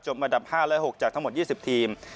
อันดับ๕และ๖จากทั้งหมด๒๐ทีม